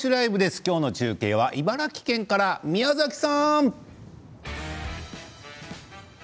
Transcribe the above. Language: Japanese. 今日の中継は茨城県から宮崎さん。